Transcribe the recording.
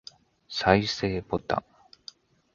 再生ボタン